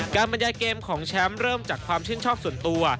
บรรยายเกมของแชมป์เริ่มจากความชื่นชอบส่วนตัว